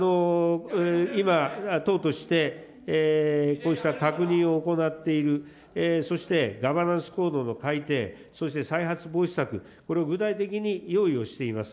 今、党として、こうした確認を行っている、そして、ガバナンスコードの改定、そして再発防止策、これを具体的に用意をしています。